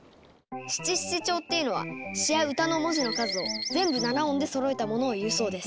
七七調っていうのは詩や歌の文字の数を全部７音でそろえたものをいうそうです。